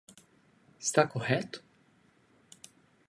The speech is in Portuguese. Está correto?